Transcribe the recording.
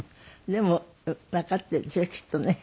でもわかってるでしょうきっとね。